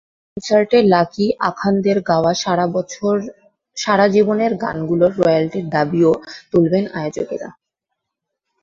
কনসার্টে লাকী আখান্দে্র গাওয়া সারা জীবনের গানগুলোর রয়্যালটির দাবিও তুলবেন আয়োজকেরা।